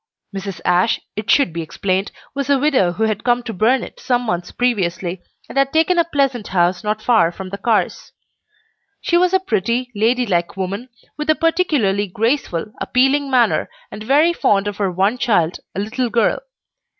Mrs. Ashe, it should be explained, was a widow who had come to Burnet some months previously, and had taken a pleasant house not far from the Carrs'. She was a pretty, lady like woman, with a particularly graceful, appealing manner, and very fond of her one child, a little girl.